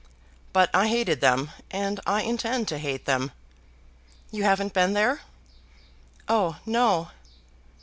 But I hated them, and I intend to hate them. You haven't been there?" "Oh no."